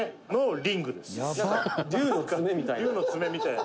「竜の爪みたいな」